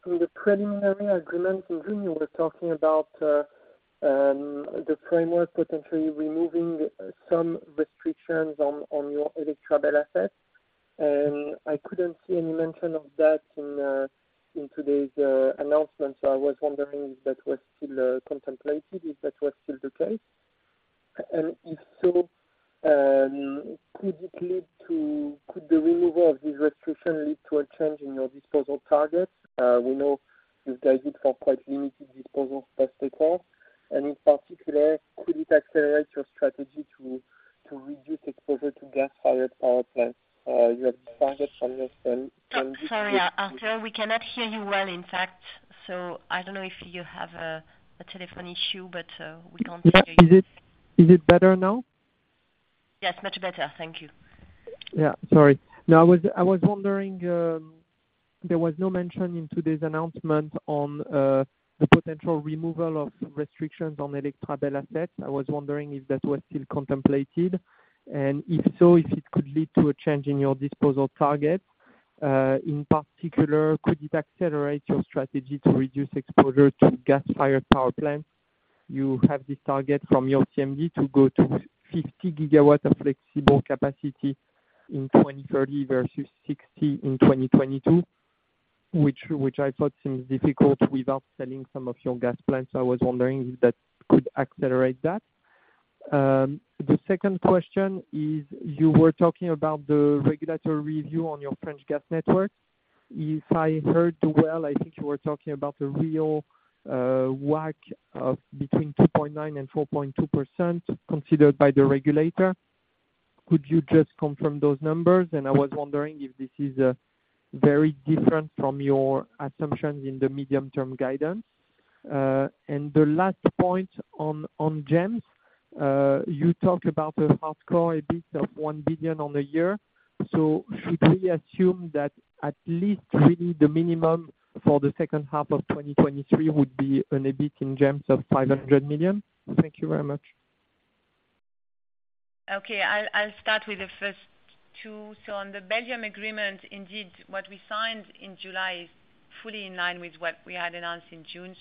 the preliminary agreement in June, you were talking about the framework potentially removing some restrictions on your Electrabel assets. I couldn't see any mention of that in today's announcement. I was wondering if that was still contemplated, if that was still the case? If so, could it lead to, could the removal of this restriction lead to a change in your disposal targets? We know you've guided for quite limited disposal first takeoff, and in particular, could it accelerate your strategy to reduce exposure to gas-fired power plants? You have target from your spend. Sorry, Arthur, we cannot hear you well, in fact. I don't know if you have a, a telephone issue, but, we can't hear you. Is it, is it better now? Yes, much better. Thank you. Yeah, sorry. No, I was, I was wondering, there was no mention in today's announcement on the potential removal of restrictions on Electrabel assets. I was wondering if that was still contemplated, and if so, if it could lead to a change in your disposal target. In particular, could it accelerate your strategy to reduce exposure to gas-fired power plants? You have this target from your CMD to go to 50 GW of flexible capacity in 2030 versus 60 GW in 2022, which, which I thought seems difficult without selling some of your gas plants. I was wondering if that could accelerate that. The second question is, you were talking about the regulatory review on your French gas network. If I heard you well, I think you were talking about a real WACC of between 2.9% and 4.2% considered by the regulator. Could you just confirm those numbers? I was wondering if this is very different from your assumptions in the medium-term guidance. The last point on, on GEMS, you talked about a hardcore, EBIT of 1 billion on the year. Should we assume that at least really the minimum for the second half of 2023 would be an EBIT in GEMS of 500 million? Thank you very much. Okay, I'll, I'll start with the first two. On the Belgium agreement, indeed, what we signed in July is fully in line with what we had announced in June.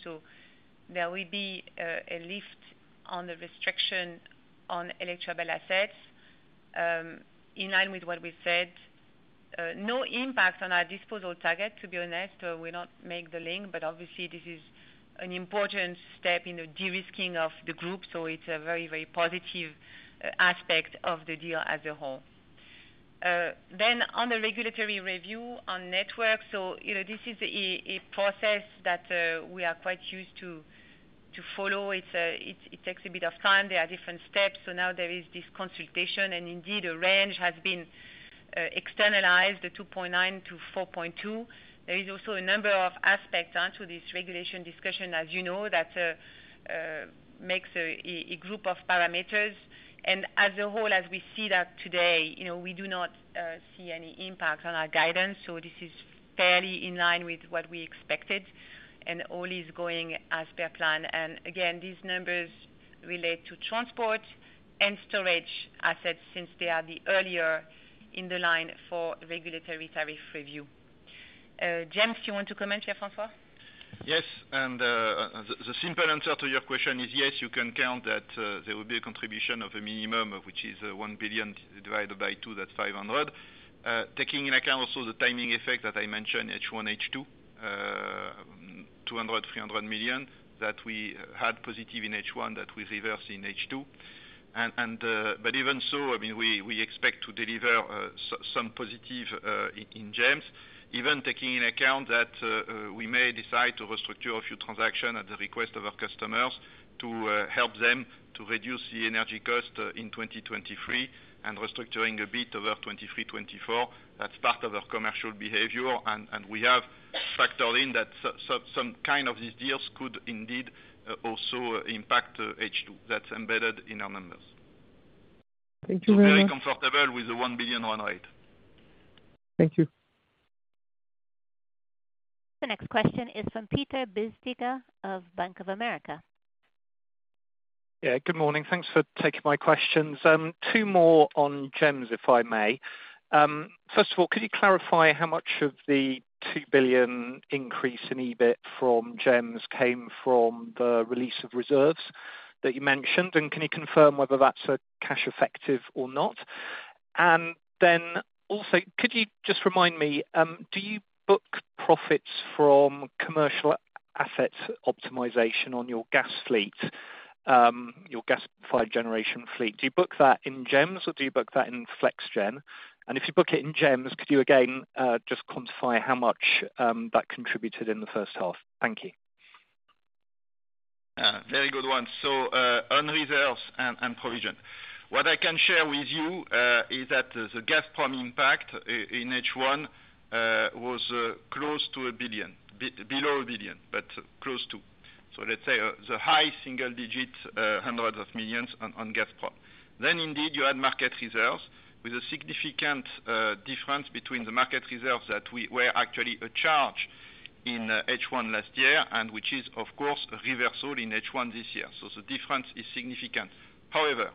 There will be a lift on the restriction on Electrabel assets. In line with what we said, no impact on our disposal target, to be honest, we not make the link, but obviously this is an important step in the de-risking of the group, so it's a very, very positive aspect of the deal as a whole. On the regulatory review on networks, you know, this is a process that we are quite used to to follow. It's, it, it takes a bit of time. There are different steps, so now there is this consultation, and indeed, a range has been externalized, the 2.9-4.2. There is also a number of aspects onto this regulation discussion, as you know, that makes a group of parameters. As a whole, as we see that today, you know, we do not see any impact on our guidance, so this is fairly in line with what we expected, and all is going as per plan. Again, these numbers relate to transport and storage assets since they are the earlier in the line for regulatory tariff review. GEMS, you want to comment, Pierre-François? Yes, and the, the simple answer to your question is, yes, you can count that, there will be a contribution of a minimum, of which is 1 billion divided by two, that's 500 million. Taking into account also the timing effect that I mentioned, H1, H2, 200 million-300 million, that we had positive in H1, that we reverse in H2. But even so, I mean, we, we expect to deliver some positive in GEMS, even taking into account that, we may decide to restructure a few transaction at the request of our customers to help them to reduce the energy cost in 2023, and restructuring a bit over 2023-2024. That's part of our commercial behavior. We have factored in that some kind of these deals could indeed, also impact, H2. That's embedded in our numbers. Thank you very much. Very comfortable with the 1 billion run rate. Thank you. The next question is from Peter Bisztyga of Bank of America. Yeah, good morning. Thanks for taking my questions. two more on GEMS, if I may. First of all, could you clarify how much of the 2 billion increase in EBIT from GEMS came from the release of reserves that you mentioned? Can you confirm whether that's a cash effective or not? Then also, could you just remind me, do you book profits from commercial asset optimization on your gas fleet, your gas-fired generation fleet? Do you book that in GEMS, or do you book that in Flex Gen? If you book it in GEMS, could you again, just quantify how much that contributed in the first half? Thank you. Very good one. On reserves and provision. What I can share with you is that the Gazprom impact in H1 was close to 1 billion, below 1 billion, but close to. Let's say, the high single-digit EUR hundreds of millions on Gazprom. Indeed, you had market reserves with a significant difference between the market reserves that we were actually a charge in H1 last year, and which is, of course, reversed all in H1 this year. The difference is significant. However,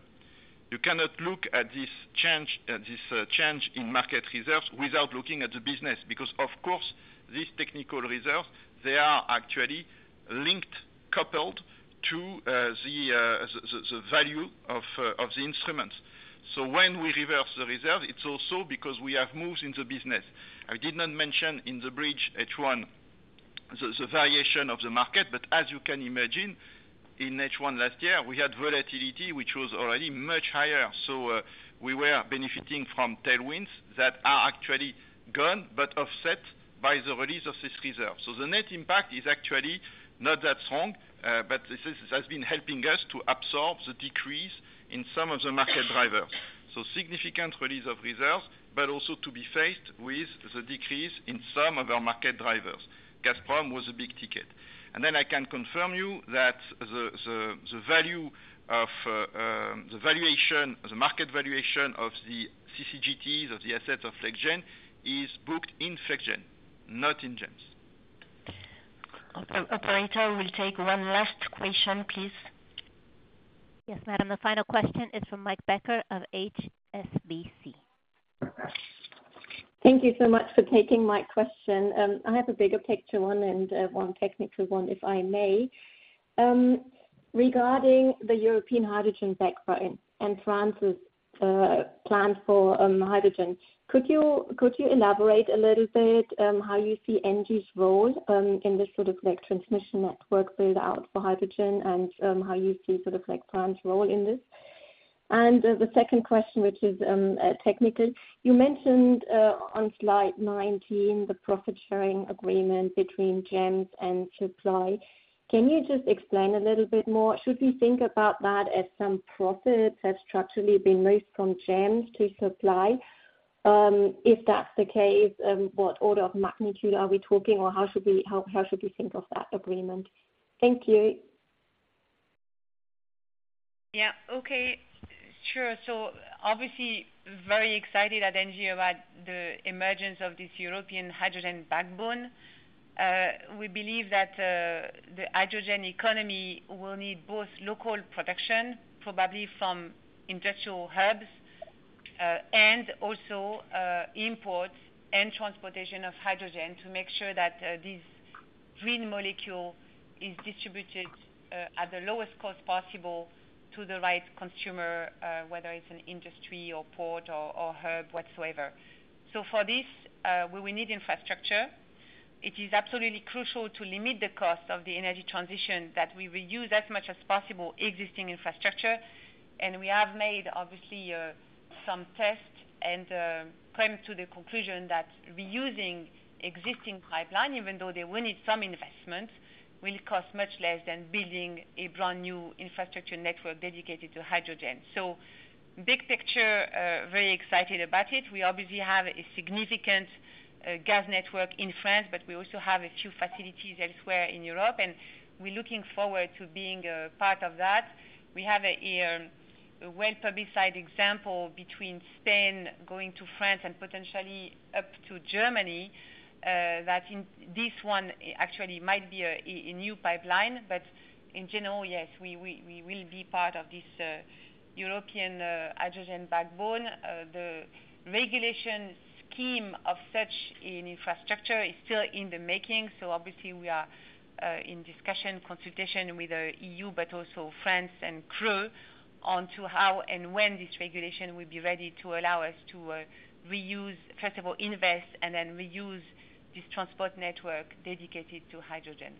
you cannot look at this change, at this change in market reserves without looking at the business, because, of course, this technical reserves, they are actually linked, coupled to the, the, the, the value of the instruments. When we reverse the reserve, it's also because we have moves in the business. I did not mention in the bridge H1, the variation of the market, but as you can imagine, in H1 last year, we had volatility, which was already much higher. We were benefiting from tailwinds that are actually gone, but offset by the release of this reserve. The net impact is actually not that strong, but this is, has been helping us to absorb the decrease in some of the market drivers. So, significant release of reserves, but also to be faced with the decrease in some of our market drivers. Gazprom was a big ticket. I can confirm you that the value of the valuation, the market valuation of the CCGTs, of the assets of Flex Gen, is booked in Flex gen, not in GEMS. Operator, we'll take one last question, please. Yes, madam, the final question is from Meike Becker of HSBC. Thank you so much for taking my question. I have a bigger picture one, and one technical one, if I may. Regarding the European Hydrogen Backbone and France's plan for hydrogen, could you, could you elaborate a little bit how you see ENGIE's role in this sort of like transmission network build-out for hydrogen and how you see sort of like, France's role in this? The second question, which is technical. You mentioned on slide 19, the profit sharing agreement between GEMS and Supply. Can you just explain a little bit more? Should we think about that as some profits have structurally been moved from GEMS to Supply? If that's the case, what order of magnitude are we talking, or how should we think of that agreement? Thank you. Yeah. Okay, sure. Obviously, very excited at ENGIE about the emergence of this European Hydrogen Backbone. We believe that the hydrogen economy will need both local production, probably from industrial hubs, and also imports and transportation of hydrogen to make sure that this green molecule is distributed at the lowest cost possible to the right consumer, whether it's an industry or port or, or hub, whatsoever. For this, we will need infrastructure. It is absolutely crucial to limit the cost of the energy transition that we reuse as much as possible existing infrastructure. We have made, obviously, some tests and come to the conclusion that reusing existing pipeline, even though they will need some investment, will cost much less than building a brand-new infrastructure network dedicated to hydrogen. Big picture, very excited about it. We obviously have a significant gas network in France, but we also have a few facilities elsewhere in Europe, and we're looking forward to being a part of that. We have a well-publicized example between Spain going to France and potentially up to Germany, that in this one actually might be a new pipeline. In general, yes, we will be part of this European Hydrogen Backbone. The regulation scheme of such an infrastructure is still in the making, so obviously we are in discussion, consultation with the EU, but also France and CRE, on to how and when this regulation will be ready to allow us to reuse, first of all, invest, and then reuse this transport network dedicated to hydrogen.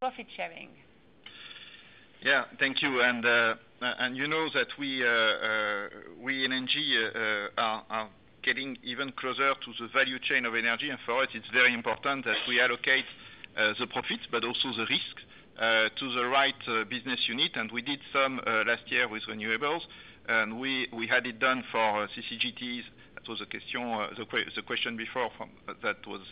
Profit sharing. Yeah, thank you. You know that we in ENGIE are getting even closer to the value chain of energy. For us, it's very important that we allocate the profits but also the risk to the right business unit. We did some last year with renewables, and we had it done for CCGTs. That was a question, the question before from... That was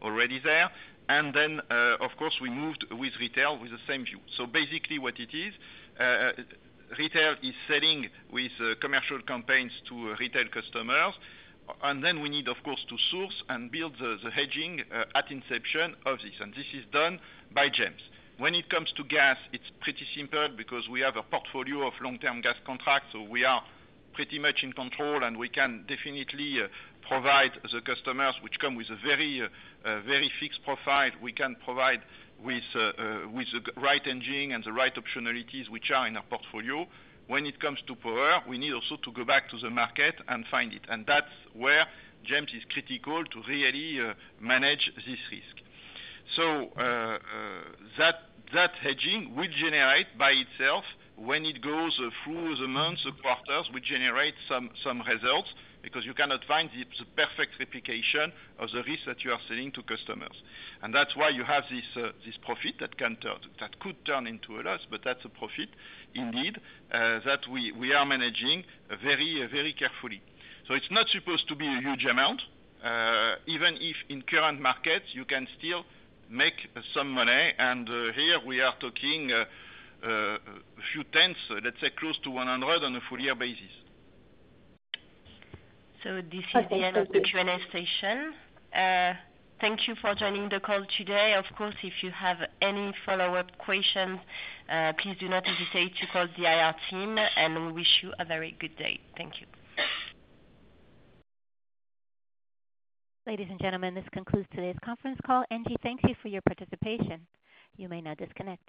already there. Then, of course, we moved with retail with the same view. Basically, what it is, retail is selling with commercial campaigns to retail customers, and then we need, of course, to source and build the hedging at inception of this, and this is done by GEMS. When it comes to gas, it's pretty simple because we have a portfolio of long-term gas contracts, so we are pretty much in control, and we can definitely, provide the customers, which come with a very, very fixed profile. We can provide with, with the right engine and the right optionalities, which are in our portfolio. When it comes to power, we need also to go back to the market and find it, and that's where GEMS is critical to really, manage this risk. That, that hedging will generate by itself when it goes through the months or quarters, will generate some, some results because you cannot find the, the perfect replication of the risk that you are selling to customers. That's why you have this, this profit that can turn, that could turn into a loss, but that's a profit indeed, that we, we are managing very, very carefully. It's not supposed to be a huge amount, even if in current markets, you can still make some money. Here we are talking, a few tenths, let's say, close to 100 million on a full year basis. This is the end of the Q&A session. Thank you for joining the call today. Of course, if you have any follow-up questions, please do not hesitate to call the IR team, and we wish you a very good day. Thank you. Ladies and gentlemen, this concludes today's conference call. ENGIE, thank you for your participation. You may now disconnect.